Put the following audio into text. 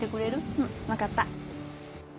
うん分かった。